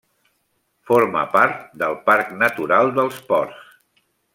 Forma part del Parc Natural dels Ports.